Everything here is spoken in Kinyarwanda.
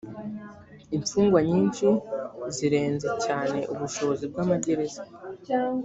imfungwa nyinshi zirenze cyane ubushobozi bw’amagereza